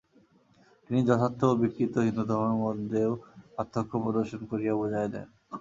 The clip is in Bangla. তিনি যথার্থ ও বিকৃত হিন্দুধর্মের মধ্যেও পার্থক্য প্রদর্শন করিয়া বুঝাইয়া দেন।